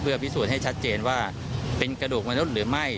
พิสูจน์ให้ชัดเจนว่าเป็นกระดูกมนุษย์หรือไม่